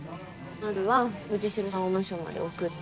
まずは藤代さんをマンションまで送って。